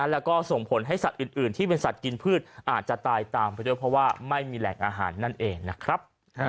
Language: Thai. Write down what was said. แล้วก็ส่งผลให้สัตว์อื่นที่เป็นสัตว์กินพืชอาจจะตายตามไปด้วยเพราะว่าไม่มีแหล่งอาหารนั่นเองนะครับ